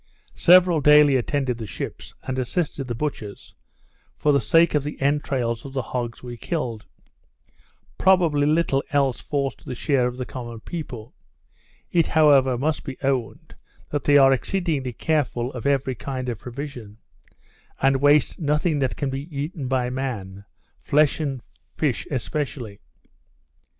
Several daily attended the ships, and assisted the butchers, for the sake of the entrails of the hogs we killed. Probably little else falls to the share of the common people. It however must be owned, that they are exceedingly careful of every kind of provision, and waste nothing that can be eaten by man; flesh and fish especially.